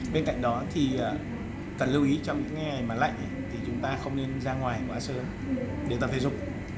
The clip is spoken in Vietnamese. bên cạnh đó thì cần lưu ý trong những ngày mà lạnh thì chúng ta không nên ra ngoài quá sớm để tập thể dục